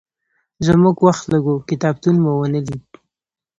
زموږ وخت لږ و، کتابتون مو ونه لید.